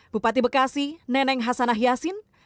bupati bekasi neneng hasanah yassin